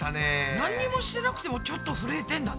なんにもしてなくてもちょっとふるえてんだね。